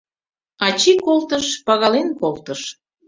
Ачий колтыш, пагален колтыш